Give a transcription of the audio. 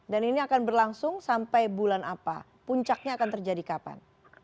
dan ini akan berlangsung sampai bulan apa puncaknya akan terjadi kapan